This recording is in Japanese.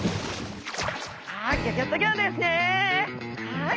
はい！